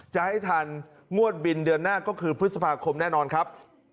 จะให้ทันงวดบินเดือนหน้าก็คือพฤษภาคมแน่นอนครับ